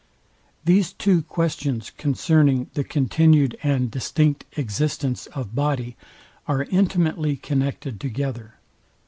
These two questions concerning the continued and distinct existence of body are intimately connected together.